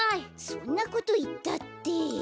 そんなこといったって。